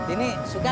ini suka gak